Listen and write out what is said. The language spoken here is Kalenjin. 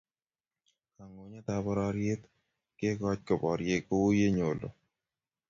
Kangungunyetab pororiet kekoch koborie kouyenyolu